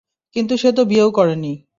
কিন্তু সে তো বিয়েও করেনি।